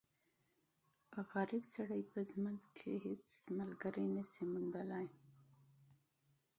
غریب سړی په ژوند کښي هيڅ ملګری نه سي موندلای.